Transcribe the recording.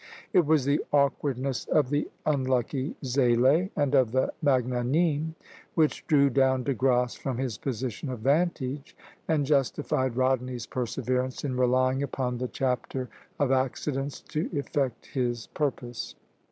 It was the awkwardness of the unlucky "Zélé" and of the "Magnanime," which drew down De Grasse from his position of vantage, and justified Rodney's perseverance in relying upon the chapter of accidents to effect his purpose.